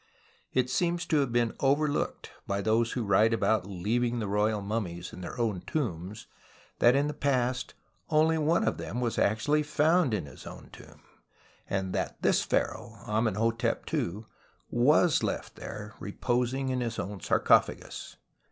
It seems to have been overlooked by those who write about leaving the royal mummies in their own tombs that in the past only one of them was actually found in liis own tomb, and that this pharaoh, Amenhotep H, was left there reposing in his own sarcophagus.